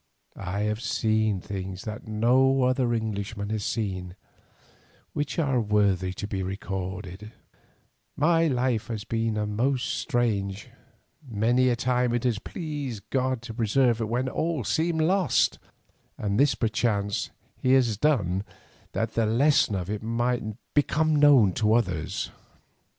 I have seen things that no other Englishman has seen, which are worthy to be recorded; my life has been most strange, many a time it has pleased God to preserve it when all seemed lost, and this perchance He has done that the lesson of it might become known to others.